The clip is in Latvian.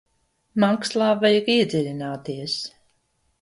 Mākslā vajag iedziļināties.